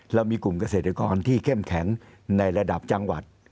เรามีกลุ่มเกษตรกรที่เข้มแข็งในระดับจังหวัด